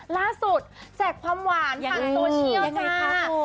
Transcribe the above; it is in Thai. ล่าสุดแจกความหวานผ่านโซเชียลค่ะ